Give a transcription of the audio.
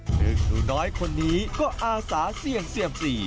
ซึ่งหนูน้อยคนนี้ก็อาสาเสี่ยงเซียมซี